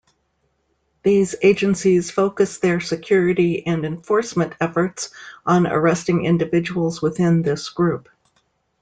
These agencies focus their security and enforcement efforts on arresting individuals within this group.